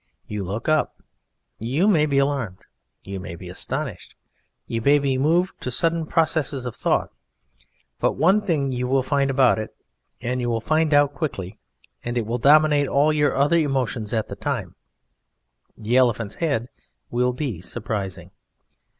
You look up. You may be alarmed, you may be astonished, you may be moved to sudden processes of thought; but one thing you will find about it, and you will find out quite quickly, and it will dominate all your other emotions of the time: the elephant's head will be surprising.